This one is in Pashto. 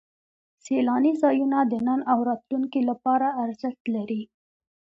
سیلاني ځایونه د نن او راتلونکي لپاره ارزښت لري.